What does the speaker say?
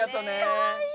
かわいい！